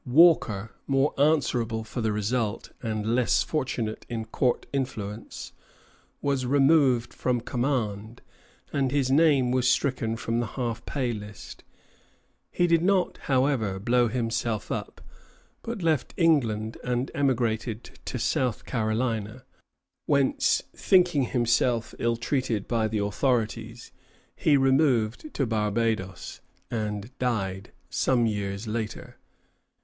Walker, more answerable for the result, and less fortunate in court influence, was removed from command, and his name was stricken from the half pay list. He did not, however, blow himself up, but left England and emigrated to South Carolina, whence, thinking himself ill treated by the authorities, he removed to Barbadoes, and died some years later.